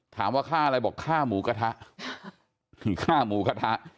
ถามว่าข้า้อะไรคือข้าหมูกะทั้